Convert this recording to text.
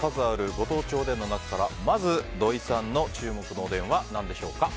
ご当地おでんの中からまず、土井さんの注目のおでんは何でしょうか？